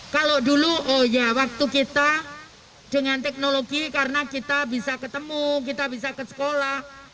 kalau dulu oh ya waktu kita dengan teknologi karena kita bisa ketemu kita bisa ke sekolah